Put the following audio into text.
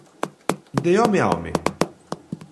De home a home.